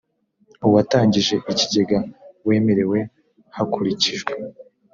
uwatangije ikigega wemerewe hakurikijwe